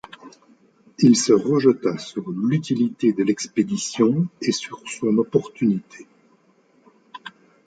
Il se rejeta sur l’utilité de l’expédition et sur son opportunité.